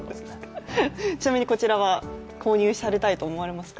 ちなみにこちらは購入されたいと思われますか？